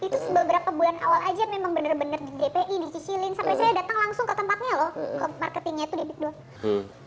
itu beberapa bulan awal aja memang benar benar di gpi dicicilin sampai saya datang langsung ke tempatnya loh ke marketingnya itu digdut